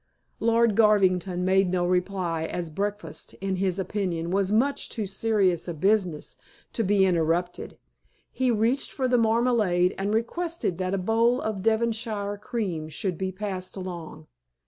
Lord Garvington made no reply, as breakfast, in his opinion, was much too serious a business to be interrupted. He reached for the marmalade, and requested that a bowl of Devonshire cream should be passed along.